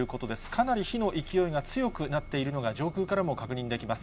かなり火の勢いが強くなっているのが、上空からも確認できます。